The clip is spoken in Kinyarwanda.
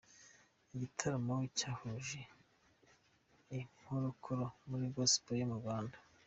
Igitaramo cyahuje inkorokoro muri Gospel yo mu Rwanda.